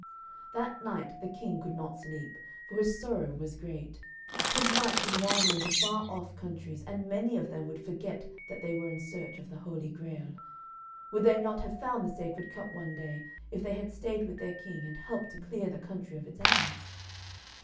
That night the King could not sleep, for his sorrow was great. His knights would wander into far off countries, and many of them would forget that they were in search of the Holy Grail. Would they not have found the Sacred Cup one day if they had stayed with their King and helped to clear the country of its enemies?